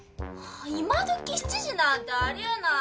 今どき７時なんてあり得ない。